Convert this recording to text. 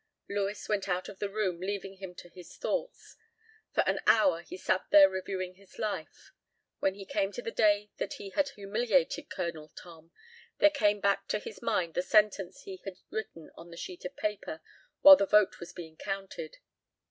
Lewis went out of the room leaving him to his thoughts. For an hour he sat there reviewing his life. When he came to the day that he had humiliated Colonel Tom, there came back to his mind the sentence he had written on the sheet of paper while the vote was being counted.